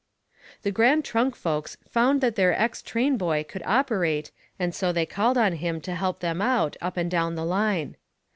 The Grand Trunk folks found that their ex trainboy could operate, and so they called on him to help them out, up and down the line.